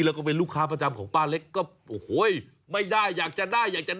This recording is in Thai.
แล้วก็เป็นลูกค้าประจำของป้าเล็กก็โอ้โหไม่ได้อยากจะได้อยากจะ